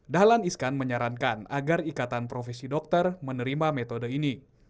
dahlan iskan menyarankan agar ikatan profesi dokter menerima metode ini